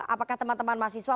apakah teman teman mahasiswa